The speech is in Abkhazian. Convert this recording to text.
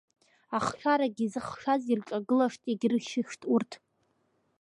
Ахшарагьы изыхшаз ирҿагылашт, иагьыршьышт урҭ.